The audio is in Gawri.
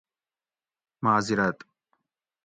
معذرت